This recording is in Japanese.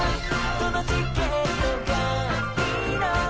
どのチケットがいいの？